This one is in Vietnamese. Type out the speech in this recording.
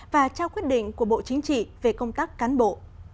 và trao quyết định của bộ chính trị về công tác cán bộ